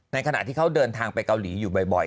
ขณะที่เขาเดินทางไปเกาหลีอยู่บ่อย